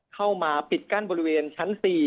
เข้ามาปิดกั้นบริเวณชั้น๔